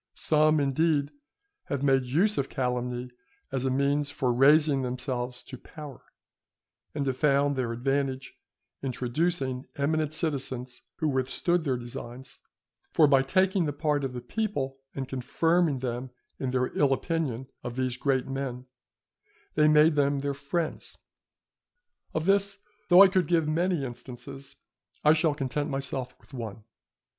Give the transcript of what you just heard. Some, indeed, have made use of calumny as a means for raising themselves to power, and have found their advantage in traducing eminent citizens who withstood their designs; for by taking the part of the people, and confirming them in their ill opinion of these great men, they made them their friends. Of this, though I could give many instances, I shall content myself with one.